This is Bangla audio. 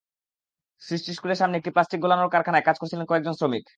সৃষ্টি স্কুলের সামনের একটি প্লাস্টিক গলানোর কারখানায় কাজ করছিলেন কয়েজন শ্রমিক।